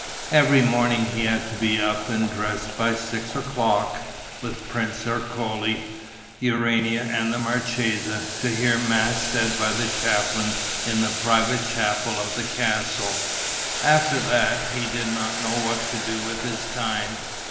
Every morning he had to be up and dressed by six o'clock, with Prince Ercole, Urania and the marchesa, to hear mass said by the chaplain in the private chapel of the castle. After that, he did not know what to do with his time.